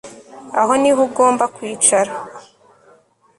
Aha niho ugomba kwicara